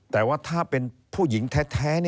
แต่ว่าถ้าเป็นผู้หญิงแท้